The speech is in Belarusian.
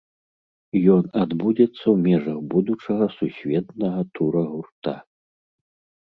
Ён адбудзецца ў межах будучага сусветнага тура гурта.